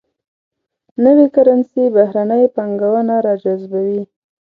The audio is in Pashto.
نوي کرنسي بهرنۍ پانګونه راجذبوي.